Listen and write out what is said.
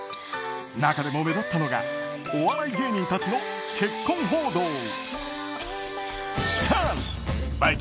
中でも、目立ったのがお笑い芸人たちの結婚報道。